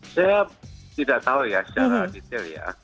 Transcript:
saya tidak tahu ya secara detail ya